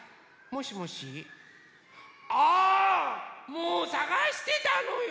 もうさがしてたのよ。